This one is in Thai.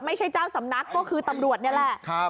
เจ้าสำนักก็คือตำรวจนี่แหละ